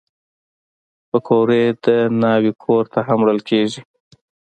پکورې د ناوې کور ته هم وړل کېږي